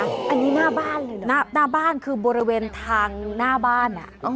อันนี้หน้าบ้านเลยนะหน้าบ้านคือบริเวณทางหน้าบ้าน